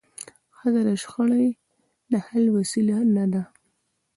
ښځه د شخړي د حل وسیله نه ده.